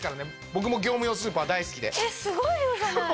僕も業務用スーパー大好きで。